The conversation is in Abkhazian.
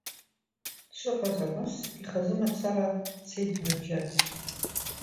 Дшыҟаз абас, ихазы мацара, дцеит дныбжьаӡ…